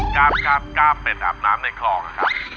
กาบกาบกาบเป็ดอาบน้ำในคลองครับ